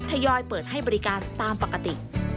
ยอยเปิดให้บริการตามปกติ